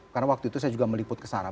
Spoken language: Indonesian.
karena waktu itu saya juga meliput ke sana